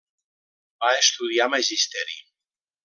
Va estudiar magisteri.